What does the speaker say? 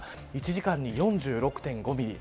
１時間に４６．５ミリ。